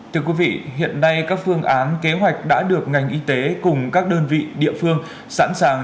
thưa quý vị hiện nay các phương án kế hoạch đã được ngành y tế cùng các đơn vị địa phương sẵn sàng